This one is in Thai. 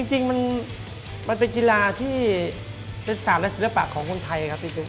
จริงมันเป็นกีฬาที่เป็นศาสตร์และศิริปปะของคนไทยกันครับ